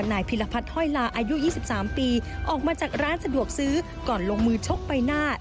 ก่อนปฤติเศษว่าไม่มีใครอ้างตัวว่าเป็นลูกตำรวจ